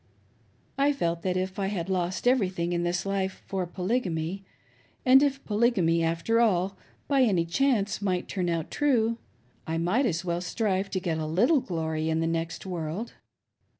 I felt that if I had lo&t everything in this life for Polygamy ; and if Polygamy, after all, by any chance, might turn out true ; I might as well strive to get a little glory in the next world.